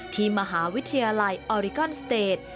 ที่มหาวิทยาลัยออริกอนสเตจ